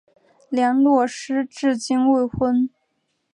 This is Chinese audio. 梁洛施至今未婚。